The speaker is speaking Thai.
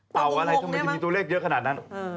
อะไรทำไมจะมีตัวเลขเยอะขนาดนั้น